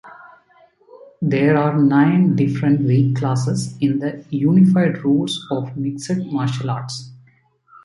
There are nine different weight classes in the Unified Rules of Mixed Martial Arts.